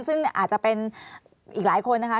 ซึ่งอาจจะเป็นอีกหลายคนนะคะ